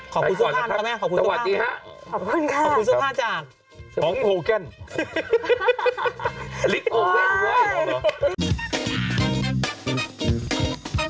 ขอบคุณเศษฐานก่อนนะ